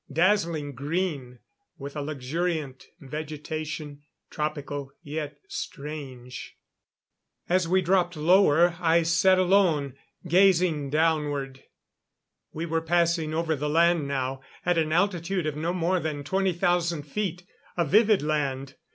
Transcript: Dazzling green, with a luxuriant vegetation, tropical yet strange. As we dropped lower, I sat alone, gazing downward. We were passing over the land now, at an altitude of no more than twenty thousand feet. A vivid land.